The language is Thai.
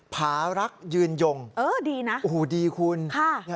ผารักยืนยงเออดีนะโอ้โหดีคุณค่ะ